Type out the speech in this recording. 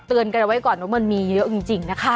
กันเอาไว้ก่อนว่ามันมีเยอะจริงนะคะ